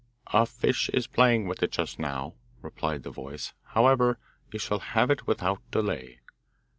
'A fish is playing with it just now,' replied the voice; 'however, you shall have it without delay.